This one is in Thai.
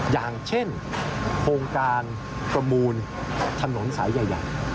อย่างเช่นโครงการประมูลถนนสายใหญ่